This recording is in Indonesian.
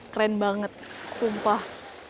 keren banget sumpah